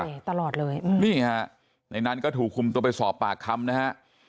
นี่ตลอดเลยนี่ฮะในนั้นก็ถูกคุมตัวไปสอบปากคำนะฮะ